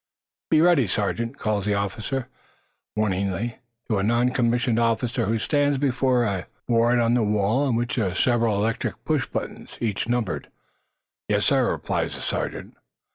"Be ready, Sergeant," calls the officer, warningly, to a non commissioned officer who stands before a board on the wall on which are several electric push buttons, each numbered. "Yes, sir," replies the sergeant.